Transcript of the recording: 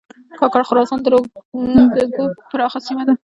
کاکړ خراسان د ږوب پراخه سیمه ده